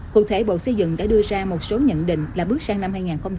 cụ thể bộ xây dựng đã đưa ra một số nhận định là bước sang năm hai nghìn hai mươi